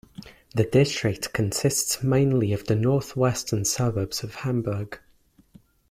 The district consists mainly of the northwestern suburbs of Hamburg.